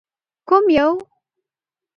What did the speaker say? _کوم يو؟